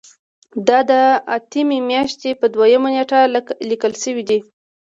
دا د اتمې میاشتې په دویمه نیټه لیکل شوی دی.